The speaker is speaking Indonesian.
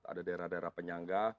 ada daerah daerah penyangga